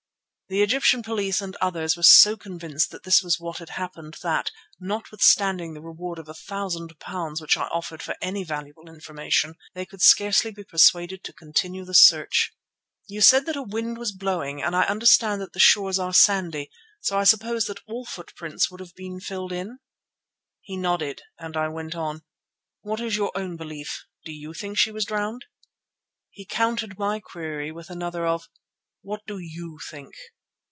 The Egyptian police and others were so convinced that this was what had happened that, notwithstanding the reward of a thousand pounds which I offered for any valuable information, they could scarcely be persuaded to continue the search." "You said that a wind was blowing and I understand that the shores are sandy, so I suppose that all footprints would have been filled in?" He nodded and I went on. "What is your own belief? Do you think she was drowned?" He countered my query with another of: "What do you think?"